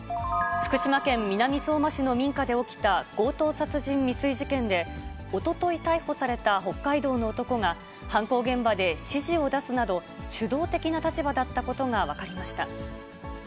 福島県南相馬市の民家で起きた強盗殺人未遂事件で、おととい逮捕された北海道の男が、犯行現場で指示を出すなど、主導的な立場だったことが分かりました。